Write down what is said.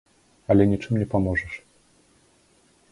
Але нічым не паможаш.